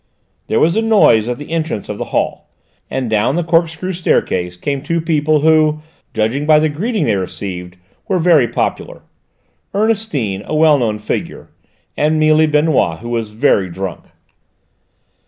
There was a noise at the entrance of the hall, and down the corkscrew staircase came two people who, judging by the greeting they received, were very popular: Ernestine, a well known figure, and Mealy Benoît, who was very drunk.